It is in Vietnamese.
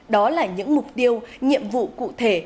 đó là những mục tiêu nhiệm vụ cụ thể